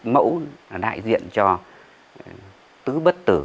mẫu đại diện cho tứ bất tử